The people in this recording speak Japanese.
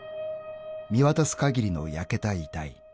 ［見渡す限りの焼けた遺体］